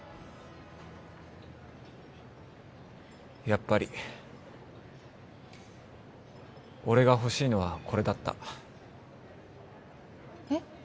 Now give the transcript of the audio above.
やっぱり俺が欲しいのはこれだったえっ？